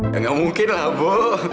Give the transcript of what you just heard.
ya nggak mungkin lah bu